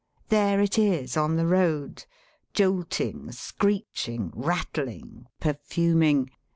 There it is on the road, jolting, screeching, rattling, perfuming.